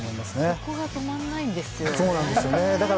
そこが止まらないんですよね。